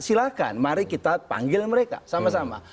silahkan mari kita panggil mereka sama sama